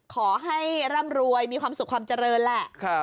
ขอให้ร่ำรวยมีความสุขความเจริญแหละ